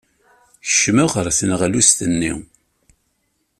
Kecmeɣ ɣer tneɣlust-nni.